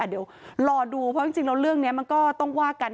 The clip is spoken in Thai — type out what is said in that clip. เดี๋ยวรอดูเพราะจริงแล้วเรื่องนี้มันก็ต้องว่ากัน